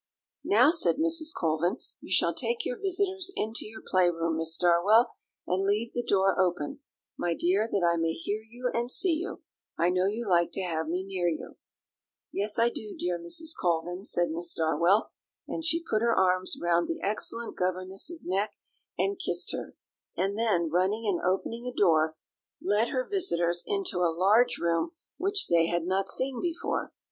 "Now," said Mrs. Colvin, "you shall take your visitors into your play room, Miss Darwell, and leave the door open, my dear, that I may hear you and see you; I know you like to have me near you." "Yes, I do, dear Mrs. Colvin," said Miss Darwell; and she put her arms round the excellent governess's neck and kissed her; and then, running and opening a door, led her visitors into a large room which they had not seen before.